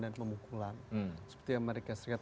dan pemukulan seperti amerika serikat